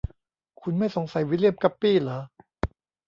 คุณไม่สงสัยวิลเลี่ยม กัปปี้หรอ ?